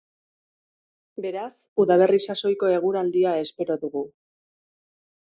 Beraz, udaberri sasoiko eguraldia espero dugu.